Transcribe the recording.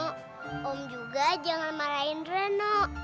om juga jangan marahin reno